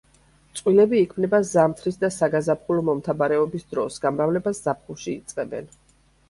წყვილები იქმნება ზამთრის და საგაზაფხულო მომთაბარეობის დროს, გამრავლებას ზაფხულში იწყებენ.